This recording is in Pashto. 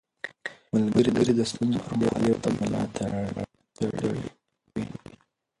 ملګري د ستونزو پر مهال یو بل ته ملا تړ وي